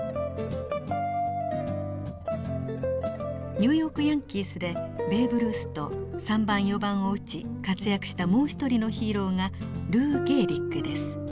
ニューヨーク・ヤンキースでベーブ・ルースと３番４番を打ち活躍したもう一人のヒーローがルー・ゲーリックです。